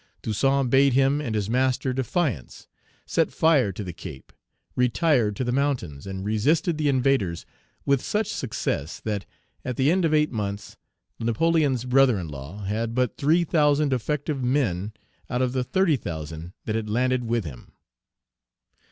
Toussaint bade him and his master defiance, set fire to the Cape, retired to the mountains, and resisted the invaders with such success that, at the end of eight months, Napoleon's brother in law had but three thousand effective men out of the thirty thousand that had landed with him.